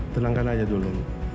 tenangkan aja dulu